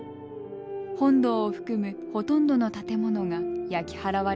本堂を含むほとんどの建物が焼き払われました。